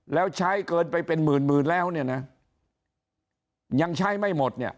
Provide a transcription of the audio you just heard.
แล้วใช้เกินไปเป็นหมื่นหมื่นแล้วเนี่ยนะยังใช้ไม่หมดเนี่ย